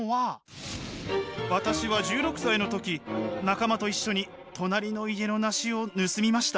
私は１６歳の時仲間と一緒に隣の家の梨を盗みました。